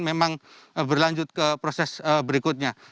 memang berlanjut ke proses berikutnya